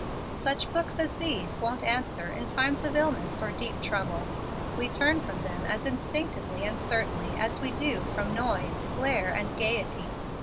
Such books as these won't answer in times of illness or deep trouble. We turn from them as instinctively and certainly as we do from noise, glare, and gayety."